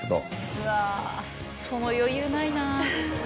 うわその余裕ないなぁ。